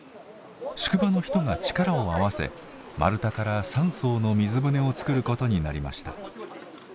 宿場の人が力を合わせ丸太から３そうの水舟を作ることになりました。